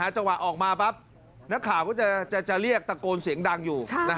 จังหวะออกมาปั๊บนักข่าวก็จะเรียกตะโกนเสียงดังอยู่